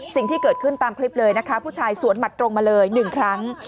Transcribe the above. สิ่งที่เกิดขึ้นตามคลิปเลยนะคะผู้ชายสวนหมัดตรงมาเลย๑ครั้ง